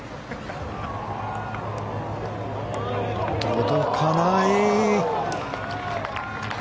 届かない。